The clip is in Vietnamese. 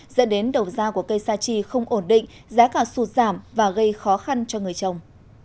dẫn đến đầu ra của cây sa chi không ổn định giá cả sụt giảm và gây khó khăn cho người trồng